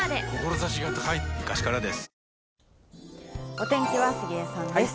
お天気は杉江さんです。